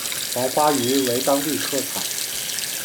黄花鱼为当地特产。